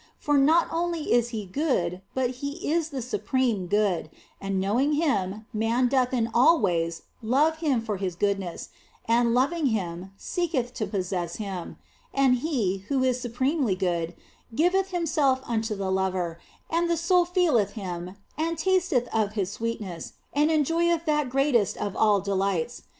For not only is He good, but He is the Supreme Good and knowing Him, man doth in all ways love Him for His goodness and loving Him, seeketh to possess Him and He, who is supremely good, giveth Himself unto the lover, and the soul feeleth Him and tasteth of His sweetness and en joyeth that greatest of all delights.